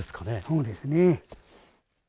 そうですね。